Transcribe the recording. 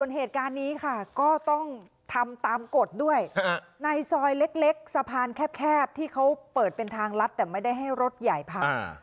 เหตุการณ์นี้ค่ะก็ต้องทำตามกฎด้วยในซอยเล็กสะพานแคบที่เขาเปิดเป็นทางลัดแต่ไม่ได้ให้รถใหญ่ผ่าน